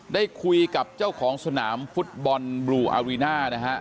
ได้คุยกับเจ้าของสนามฟุตบอลบลูอารีน่านะฮะ